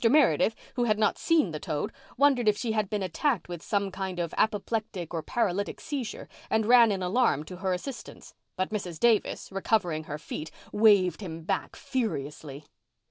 Meredith, who had not seen the toad, wondered if she had been attacked with some kind of apoplectic or paralytic seizure, and ran in alarm to her assistance. But Mrs. Davis, recovering her feet, waved him back furiously.